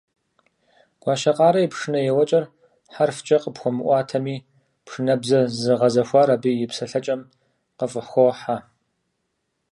Гуащэкъарэ и пшынэ еуэкӀэр хьэрфкӀэ къыпхуэмыӀуатэми, пшынэбзэ зэгъэзэхуар абы и псэлъэкӀэм къыфӀыхохьэ.